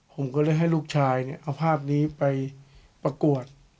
ผมก็เลยให้ลูกชายเนี่ยเอาภาพนี้ไปประกวด